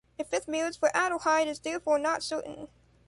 A fifth marriage for Adelheid is therefore not certain.